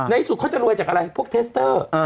ในอีกสู่จะรวยจากอะไรพวกเทสเตอร์